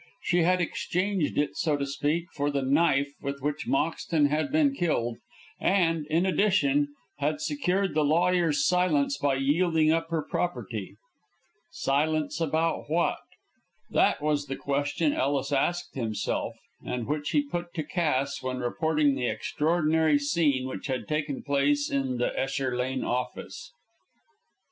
She had exchanged it, so to speak, for the knife with which Moxton had been killed, and, in addition, had secured the lawyer's silence by yielding up her property. Silence about what? That was the question Ellis asked himself, and which he put to Cass when reporting the extraordinary scene which had taken place in the Esher Lane office.